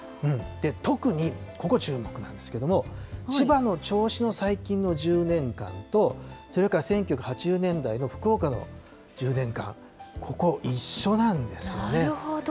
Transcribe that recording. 特にここ注目なんですけれども、千葉の銚子の最近の１０年間と、それから１９８０年代の福岡の１０年間、ここ、一緒なんですよね。